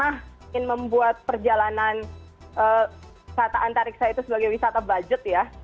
kita ingin membuat perjalanan wisata antariksa itu sebagai wisata budget ya